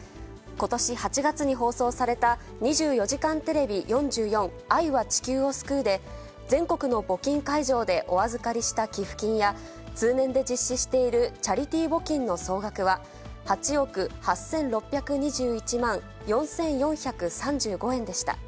ことし８月に放送された、２４時間テレビ４４愛は地球を救うで、全国の募金会場でお預かりした寄付金や、通年で実施しているチャリティー募金の総額は、８億８６２１万４４３５円でした。